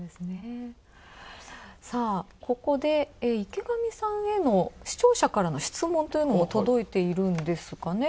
ここで、池上さんへの視聴者からの質問というのも届いているんですかね。